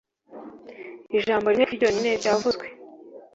Ijambo rimwe rigufi ryonyine ryavuzwe